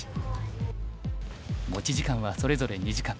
持ち時間はそれぞれ２時間。